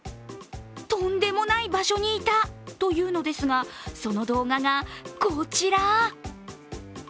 とんでもない場所にいたというのですがその動画が、こちら。